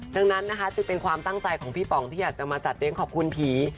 ดังนั้นนะคะจึงเป็นความตั้งใจของพี่ป๋องที่อยากจะมาจัดเลี้ยงขอบคุณผี